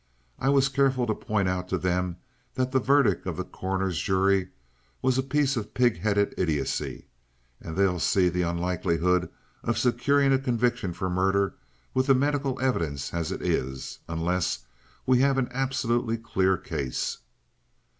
I was careful to point out to them that the verdict of the coroner's jury was a piece of pig headed idiocy, and they'll see the unlikelihood of securing a conviction for murder with the medical evidence as it is, unless we have an absolutely clear case."